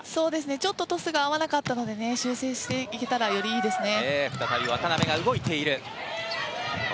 ちょっとトスが合わなかったので修正していけたらよりいいですね。